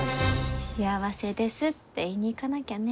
幸せですって言いに行かなきゃね。